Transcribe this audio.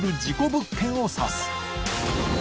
物件を指す